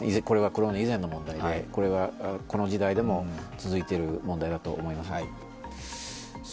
これはコロナ以前の問題で、この時代でも続いている問題だと思います。